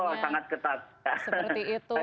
oh sangat ketat